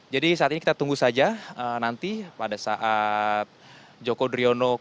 jadi saat ini kita tunggu saja nanti pada saat joko driono keluar